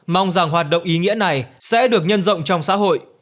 mong rằng hoạt động ý nghĩa này sẽ được nhân rộng trong xã hội